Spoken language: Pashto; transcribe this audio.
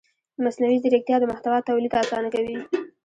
مصنوعي ځیرکتیا د محتوا تولید اسانه کوي.